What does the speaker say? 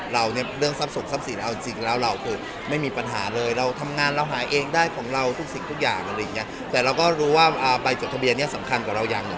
ได้ของเราทุกสิ่งทุกอย่างอะไรอย่างเงี้ยแต่เราก็รู้ว่าอ่าใบจดทะเบียนเนี้ยสำคัญกับเราอย่างหนึ่ง